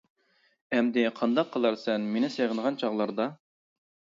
ئەمدى قانداق قىلارسەن، مېنى سېغىنغان چاغلاردا.